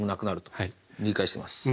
理解してます。